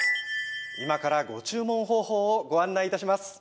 今からご注文方法をご案内いたします。